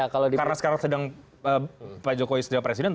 karena sekarang sedang pak jokowi sedang presiden